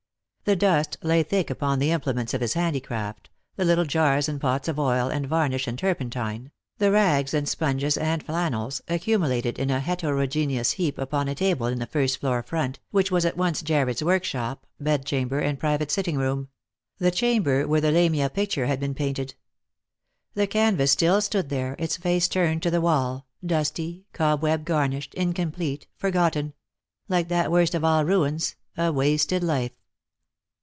The dust lay thick upon the implements of his handi craft, the little jars and pots of oil and varnish and turpentine, the rags and sponges and flannels, accumulated in a heteroge neous heap upon a table in the first floor front, which was at once Jarred's workshop, bed chamber, and private sitting room ; the chamber where the Lamia picture had been painted. The canvas still stood there, its face turned to the wall, dusty, cob welj garnished, incomplete, forgotten — like that worst of all ruins, a wasted life.